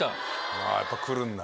あぁやっぱくるんだ。